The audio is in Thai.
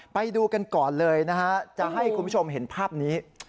ไปดูกันก่อนเลยนะฮะจะให้คุณผู้ชมเห็นภาพนี้